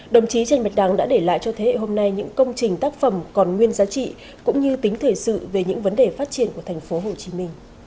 đồng chí trần bạch đằng đã để lại cho thế hệ hôm nay những công trình tác phẩm còn nguyên giá trị cũng như tính thời sự về những vấn đề phát triển của tp hcm